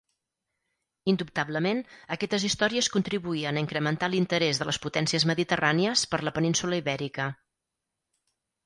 Indubtablement, aquestes històries contribuïen a incrementar l'interès de les potències mediterrànies per la península Ibèrica.